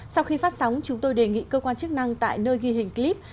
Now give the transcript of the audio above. sau khi phát sóng chúng tôi đề nghị cơ quan chức năng tại nơi ghi hình clip